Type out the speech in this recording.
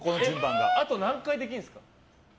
あと何回できるんですか？